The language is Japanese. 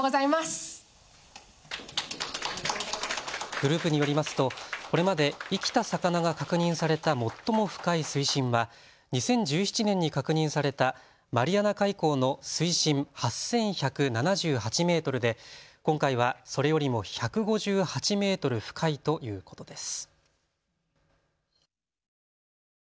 グループによりますと、これまで生きた魚が確認された最も深い水深は２０１７年に確認されたマリアナ海溝の水深８１７８メートルで今回はそれよりも１５８メートル深いということです。